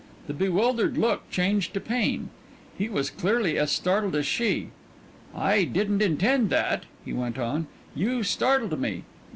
The bewildered look changed to pain. He was clearly as startled as she. "I didn't intend that," he went on; "you startled me.